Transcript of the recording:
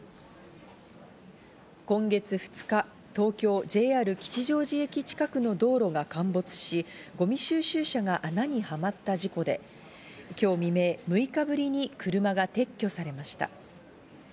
今月２日、東京・ＪＲ吉祥寺駅近くの道路が陥没し、ごみ収集車が穴にはまった事故で今日未明、６日ぶりに車が撤去されました。